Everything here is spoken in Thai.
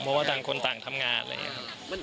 ผมว่าต่างคนต่างทำงาน